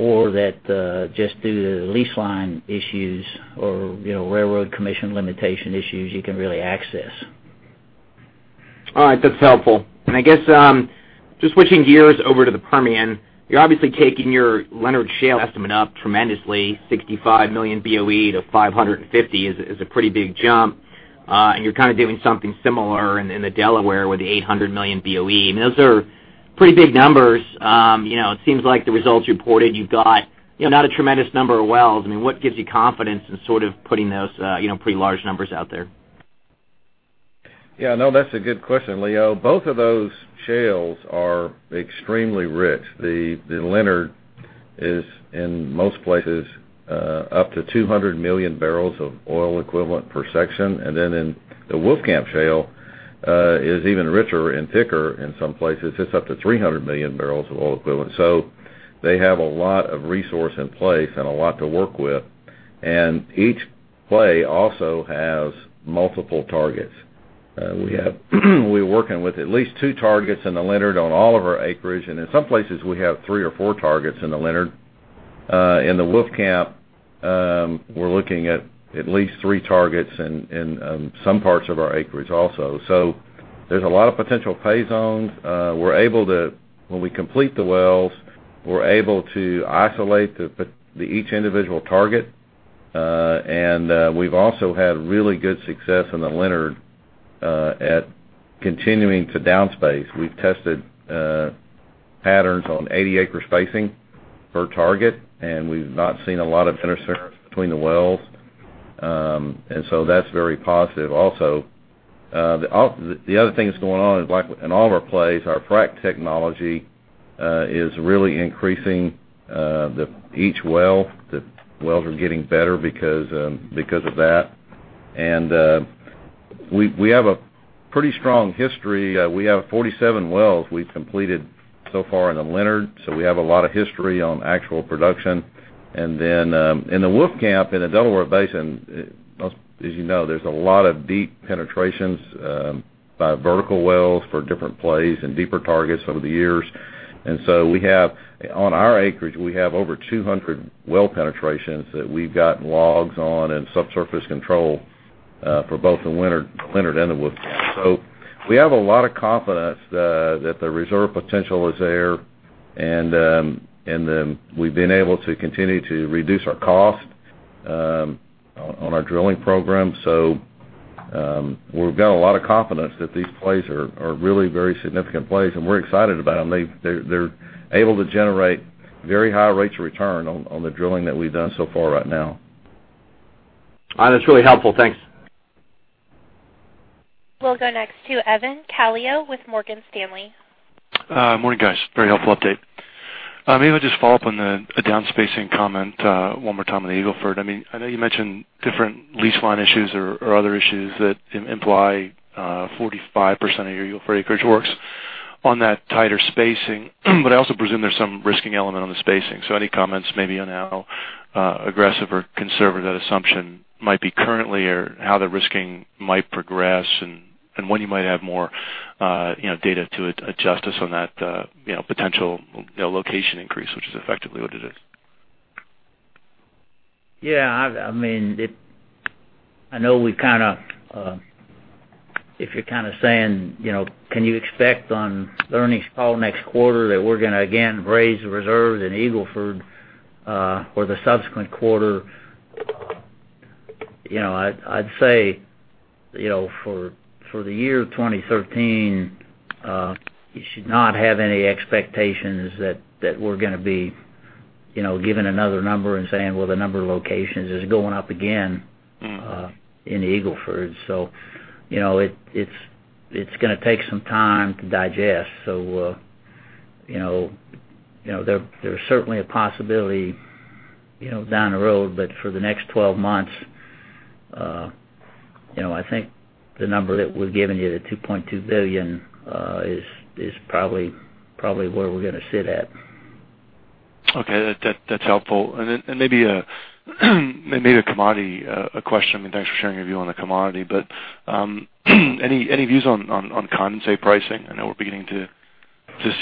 or that just due to the lease line issues or railroad commission limitation issues you can really access. All right. That's helpful. I guess, just switching gears over to the Permian, you're obviously taking your Leonard Shale estimate up tremendously, 65 million BOE to 550 is a pretty big jump. You're kind of doing something similar in the Delaware with the 800 million BOE. Those are pretty big numbers. It seems like the results reported, you've got not a tremendous number of wells. What gives you confidence in sort of putting those pretty large numbers out there? Yeah, that's a good question, Leo. Both of those shales are extremely rich. The Leonard is in most places up to 200 million BOE per section. In the Wolfcamp shale is even richer and thicker in some places. It's up to 300 million BOE. They have a lot of resource in place and a lot to work with. Each play also has multiple targets. We're working with at least two targets in the Leonard on all of our acreage, and in some places we have three or four targets in the Leonard. In the Wolfcamp, we're looking at least three targets in some parts of our acreage also. There's a lot of potential pay zones. When we complete the wells, we're able to isolate each individual target. We've also had really good success in the Leonard at continuing to downspace. We've tested patterns on 80-acre spacing per target, we've not seen a lot of interference between the wells. That's very positive also. The other thing that's going on is in all of our plays, our frack technology is really increasing each well. The wells are getting better because of that. We have a pretty strong history. We have 47 wells we've completed so far in the Leonard, we have a lot of history on actual production. In the Wolfcamp, in the Delaware Basin, as you know, there's a lot of deep penetrations by vertical wells for different plays and deeper targets over the years. On our acreage, we have over 200 well penetrations that we've gotten logs on and subsurface control for both the Leonard and the Wolfcamp. We have a lot of confidence that the reserve potential is there, we've been able to continue to reduce our cost on our drilling program. We've got a lot of confidence that these plays are really very significant plays, we're excited about them. They're able to generate very high rates of return on the drilling that we've done so far right now. That's really helpful. Thanks. We'll go next to Evan Calio with Morgan Stanley. Morning, guys. Very helpful update. I'll just follow up on the downspacing comment one more time on the Eagle Ford. I know you mentioned different lease line issues or other issues that imply 45% of your Eagle Ford acreage works on that tighter spacing, but I also presume there's some risking element on the spacing. Any comments maybe on how aggressive or conservative that assumption might be currently, or how the risking might progress and when you might have more data to adjust us on that potential location increase, which is effectively what it is? Yeah. I know if you're saying, can you expect on the earnings call next quarter that we're going to again raise the reserves in Eagle Ford for the subsequent quarter? I'd say for the year 2013, you should not have any expectations that we're going to be giving another number and saying, "Well, the number of locations is going up again in Eagle Ford." It's going to take some time to digest. There's certainly a possibility down the road, but for the next 12 months, I think the number that we've given you, the $2.2 billion, is probably where we're going to sit at. Okay. That's helpful. Maybe a commodity question. Thanks for sharing your view on the commodity, any views on condensate pricing? I know we're beginning to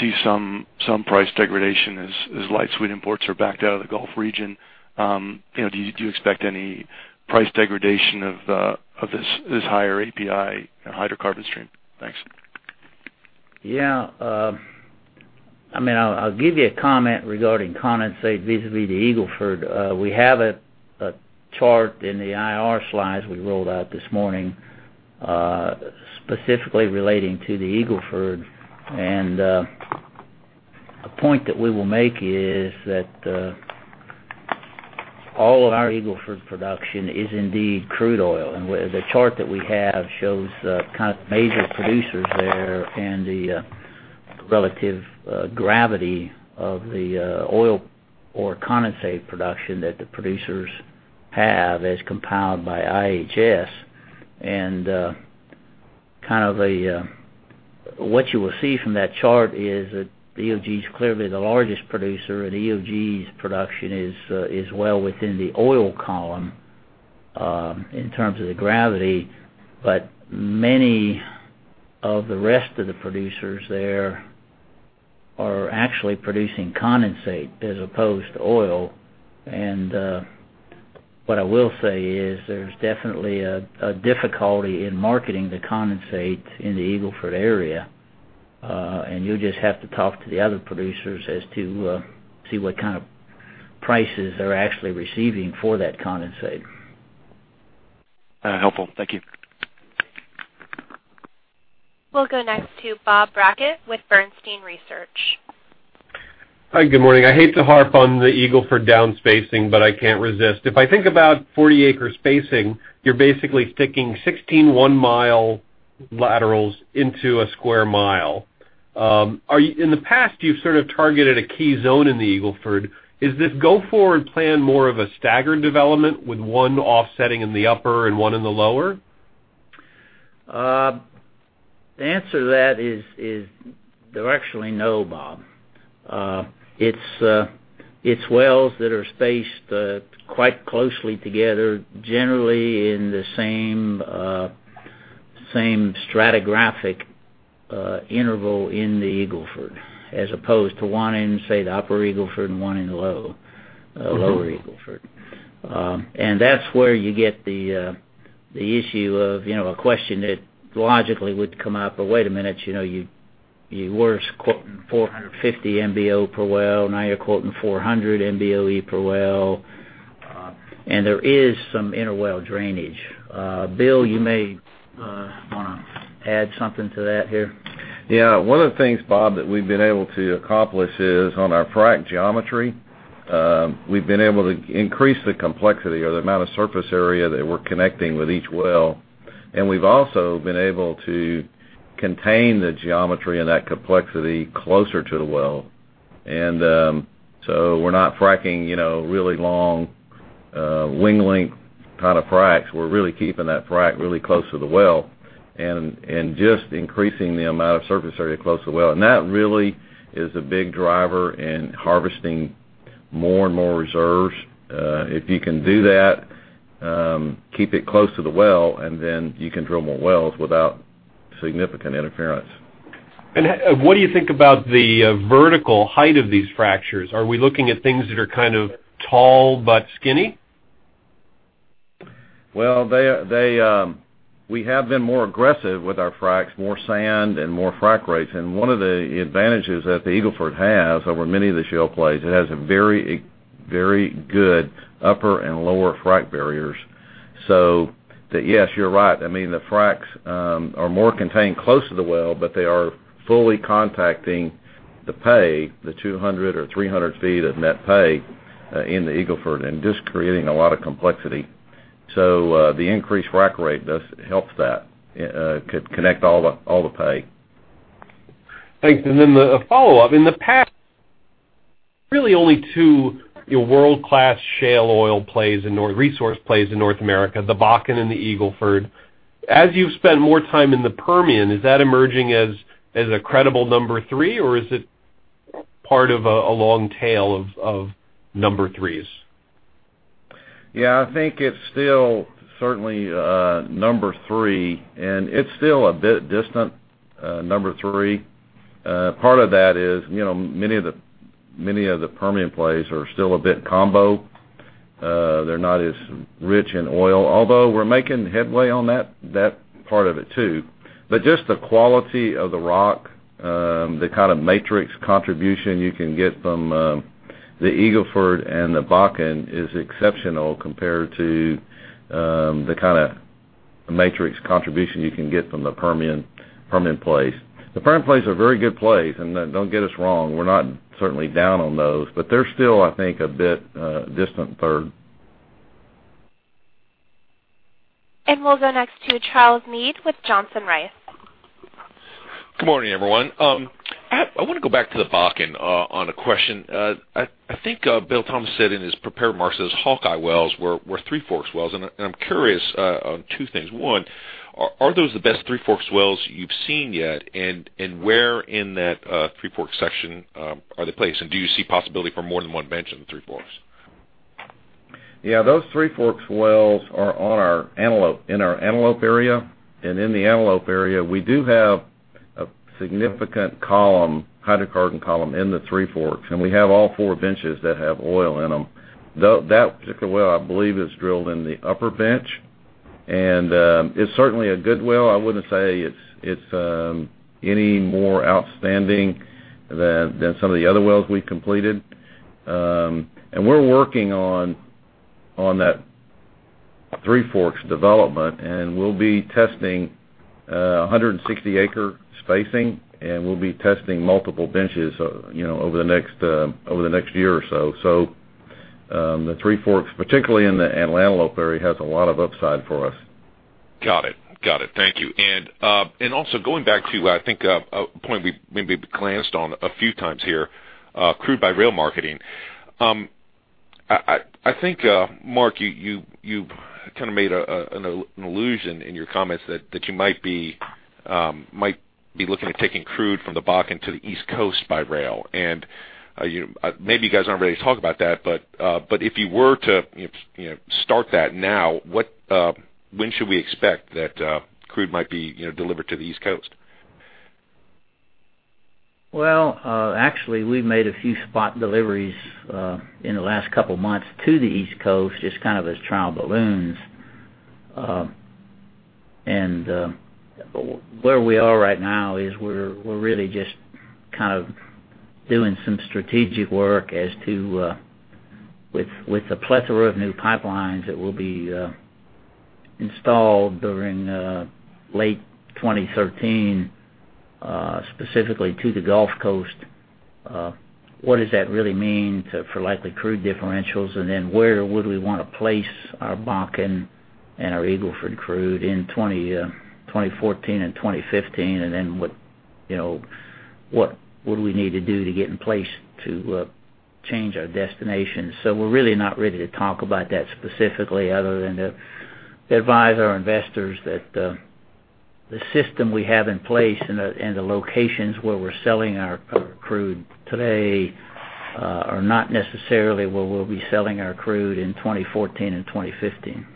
see some price degradation as light sweet imports are backed out of the Gulf region. Do you expect any price degradation of this higher API hydrocarbon stream? Thanks. Yeah. I'll give you a comment regarding condensate vis-a-vis the Eagle Ford. We have a chart in the IR slides we rolled out this morning specifically relating to the Eagle Ford. A point that we will make is that all of our Eagle Ford production is indeed crude oil. The chart that we have shows major producers there and the relative gravity of the oil or condensate production that the producers have as compiled by IHS. What you will see from that chart is that EOG is clearly the largest producer, and EOG's production is well within the oil column in terms of the gravity. Many of the rest of the producers there are actually producing condensate as opposed to oil. What I will say is there's definitely a difficulty in marketing the condensate in the Eagle Ford area. You'll just have to talk to the other producers as to see what kind of prices they're actually receiving for that condensate. Helpful. Thank you. We'll go next to Bob Brackett with Bernstein Research. Hi, good morning. I hate to harp on the Eagle Ford downspacing. I can't resist. If I think about 40-acre spacing, you're basically sticking 16 one-mile Laterals into a square mile. In the past, you've sort of targeted a key zone in the Eagle Ford. Is this go-forward plan more of a staggered development with one offsetting in the upper and one in the lower? The answer to that is directionally no, Bob. It's wells that are spaced quite closely together, generally in the same stratigraphic interval in the Eagle Ford, as opposed to one in, say, the upper Eagle Ford and one in the lower Eagle Ford. That's where you get the issue of a question that logically would come up. Wait a minute, you were quoting 450 MBOE per well, now you're quoting 400 MBOE per well. There is some interwell drainage. Bill, you may want to add something to that here. Yeah. One of the things, Bob, that we've been able to accomplish is on our frack geometry. We've been able to increase the complexity or the amount of surface area that we're connecting with each well. We've also been able to contain the geometry and that complexity closer to the well. We're not fracking really long wing length kind of fracs. We're really keeping that frac really close to the well and just increasing the amount of surface area close to the well. That really is a big driver in harvesting more and more reserves. If you can do that, keep it close to the well, you can drill more wells without significant interference. What do you think about the vertical height of these fractures? Are we looking at things that are kind of tall but skinny? Well, we have been more aggressive with our fracs, more sand and more frac rates. One of the advantages that the Eagle Ford has over many of the shale plays, it has a very good upper and lower frac barriers. Yes, you're right. I mean, the fracs are more contained close to the well, but they are fully contacting the pay, the 200 or 300 feet of net pay in the Eagle Ford and just creating a lot of complexity. The increased frac rate does help that, connect all the pay. Thanks. The follow-up, in the past, really only two world-class shale oil plays, resource plays in North America, the Bakken and the Eagle Ford. As you've spent more time in the Permian, is that emerging as a credible number 3, or is it part of a long tail of number 3s? Yeah, I think it's still certainly number 3, it's still a bit distant number 3. Part of that is many of the Permian plays are still a bit combo. They're not as rich in oil, although we're making headway on that part of it too. Just the quality of the rock, the kind of matrix contribution you can get from the Eagle Ford and the Bakken is exceptional compared to the kind of matrix contribution you can get from the Permian plays. The Permian plays are very good plays, don't get us wrong, we're not certainly down on those, they're still, I think, a bit distant third. We'll go next to Charles Meade with Johnson Rice. Good morning, everyone. I want to go back to the Bakken on a question. I think Bill Tom said in his prepared remarks, those Hawkeye wells were Three Forks wells. I'm curious on two things. One, are those the best Three Forks wells you've seen yet? Where in that Three Forks section are they placed? Do you see possibility for more than one bench in the Three Forks? Yeah, those Three Forks wells are in our Antelope area. In the Antelope area, we do have a significant hydrocarbon column in the Three Forks, and we have all four benches that have oil in them. That particular well, I believe, is drilled in the upper bench, and it's certainly a good well. I wouldn't say it's any more outstanding than some of the other wells we've completed. We're working on that Three Forks development, and we'll be testing 160-acre spacing, and we'll be testing multiple benches over the next year or so. The Three Forks, particularly in the Antelope area, has a lot of upside for us. Got it. Thank you. Also going back to, I think, a point we maybe glanced on a few times here, crude by rail marketing. I think, Mark, you've kind of made an allusion in your comments that you might be looking at taking crude from the Bakken to the East Coast by rail. Maybe you guys aren't ready to talk about that, but if you were to start that now, when should we expect that crude might be delivered to the East Coast? Well, actually, we've made a few spot deliveries in the last couple of months to the East Coast, just kind of as trial balloons. Where we are right now is we're really just kind of doing some strategic work as to with the plethora of new pipelines that will be installed during late 2013 specifically to the Gulf Coast, what does that really mean for likely crude differentials? Where would we want to place our Bakken and our Eagle Ford crude in 2014 and 2015? What would we need to do to get in place to change our destination? We're really not ready to talk about that specifically other than to advise our investors that the system we have in place and the locations where we're selling our crude today are not necessarily where we'll be selling our crude in 2014 and 2015.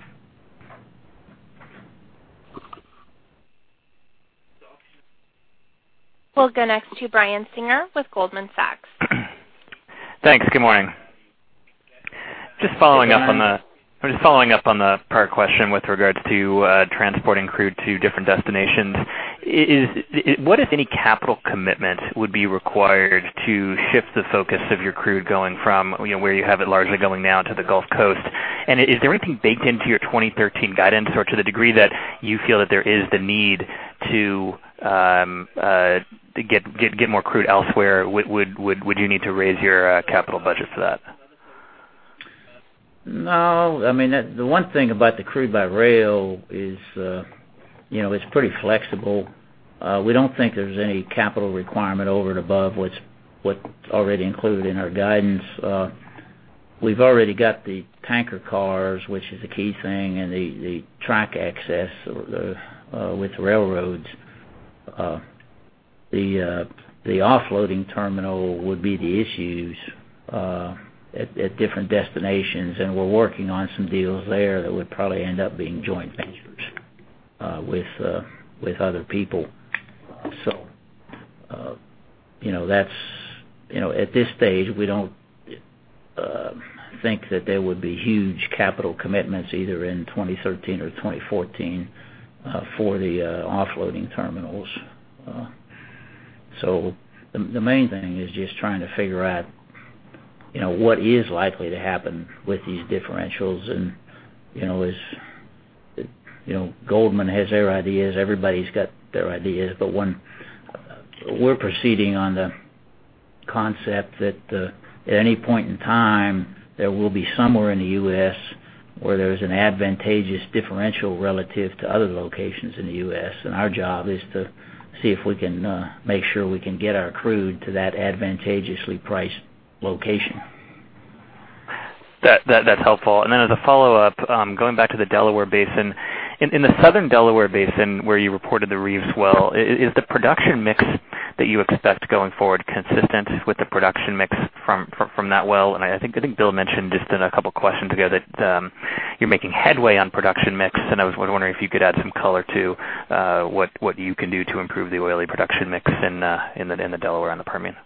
We'll go next to Brian Singer with Goldman Sachs. Thanks. Good morning. I'm just following up on the prior question with regards to transporting crude to different destinations. What if any capital commitment would be required to shift the focus of your crude going from where you have it largely going now to the Gulf Coast? Is there anything baked into your 2013 guidance, or to the degree that you feel that there is the need to get more crude elsewhere, would you need to raise your capital budget for that? No. The one thing about the crude by rail is it's pretty flexible. We don't think there's any capital requirement over and above what's already included in our guidance. We've already got the tanker cars, which is a key thing, and the track access with the railroads. The offloading terminal would be the issues at different destinations, and we're working on some deals there that would probably end up being joint ventures with other people. At this stage, we don't think that there would be huge capital commitments either in 2013 or 2014 for the offloading terminals. The main thing is just trying to figure out what is likely to happen with these differentials, and Goldman has their ideas. Everybody's got their ideas, we're proceeding on the concept that at any point in time, there will be somewhere in the U.S. where there's an advantageous differential relative to other locations in the U.S., and our job is to see if we can make sure we can get our crude to that advantageously priced location. That's helpful. As a follow-up, going back to the Delaware Basin. In the southern Delaware Basin, where you reported the Reeves Well, is the production mix that you expect going forward consistent with the production mix from that well? I think Bill mentioned just in a couple of questions ago that you're making headway on production mix, and I was wondering if you could add some color to what you can do to improve the oily production mix in the Delaware and the Permian.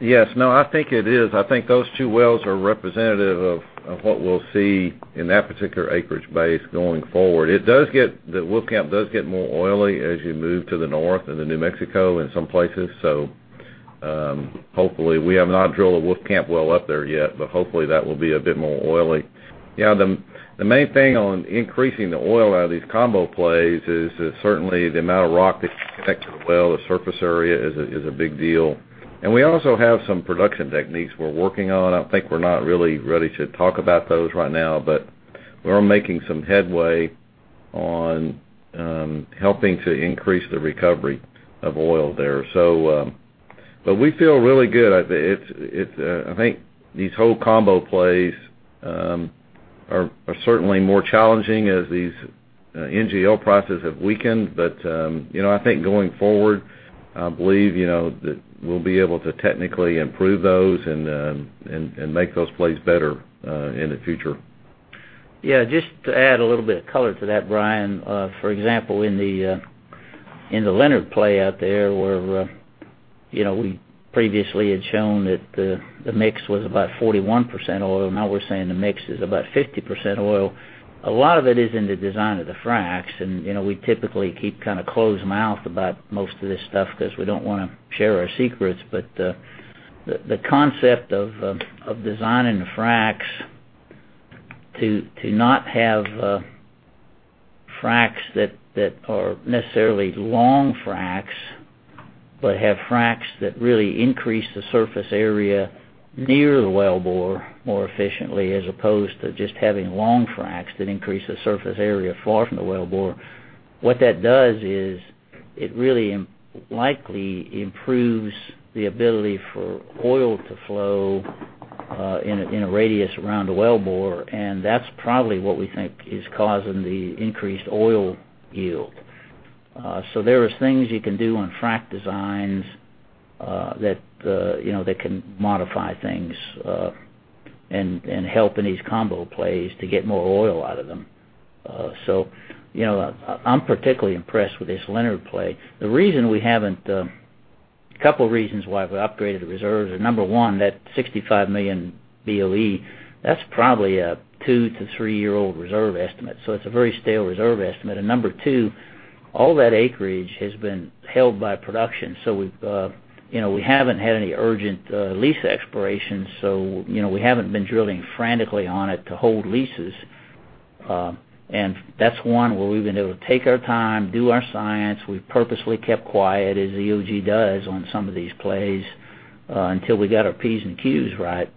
Yes. No, I think it is. I think those two wells are representative of what we'll see in that particular acreage base going forward. The Wolfcamp does get more oily as you move to the north, into New Mexico, and some places. We have not drilled a Wolfcamp well up there yet, but hopefully, that will be a bit more oily. The main thing on increasing the oil out of these combo plays is certainly the amount of rock that connects to the well, the surface area is a big deal. We also have some production techniques we're working on. I think we're not really ready to talk about those right now, but we are making some headway on helping to increase the recovery of oil there. We feel really good. I think these whole combo plays are certainly more challenging as these NGL prices have weakened. I think going forward, I believe that we'll be able to technically improve those and make those plays better in the future. Yeah, just to add a little bit of color to that, Brian. For example, in the Leonard play out there, where we previously had shown that the mix was about 41% oil, now we're saying the mix is about 50% oil. A lot of it is in the design of the fracs. We typically keep kind of close-mouthed about most of this stuff because we don't want to share our secrets. The concept of designing the fracs to not have fracs that are necessarily long fracs, but have fracs that really increase the surface area near the wellbore more efficiently, as opposed to just having long fracs that increase the surface area far from the wellbore. What that does is it really likely improves the ability for oil to flow in a radius around a wellbore, and that's probably what we think is causing the increased oil yield. There are things you can do on frac designs that can modify things, and help in these combo plays to get more oil out of them. I'm particularly impressed with this Leonard play. A couple reasons why we upgraded the reserves are, number 1, that 65 million BOE, that's probably a two to three-year-old reserve estimate, so it's a very stale reserve estimate. Number 2, all that acreage has been held by production. We haven't had any urgent lease expirations, so we haven't been drilling frantically on it to hold leases. That's one where we've been able to take our time, do our science. We've purposefully kept quiet, as EOG does on some of these plays, until we got our Ps and Qs right.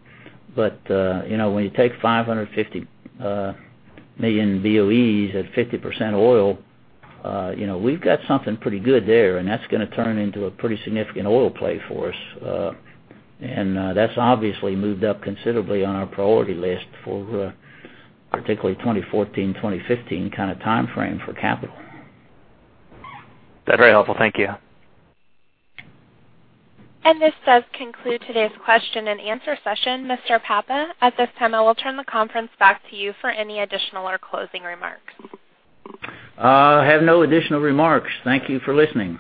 When you take 550 million BOEs at 50% oil, we've got something pretty good there, and that's going to turn into a pretty significant oil play for us. That's obviously moved up considerably on our priority list for particularly 2014, 2015 kind of timeframe for capital. That's very helpful. Thank you. This does conclude today's question and answer session. Mr. Papa, at this time, I will turn the conference back to you for any additional or closing remarks. I have no additional remarks. Thank you for listening.